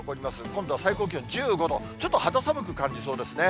今度は最高気温１５度、ちょっと肌寒く感じそうですね。